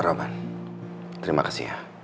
roman terima kasih ya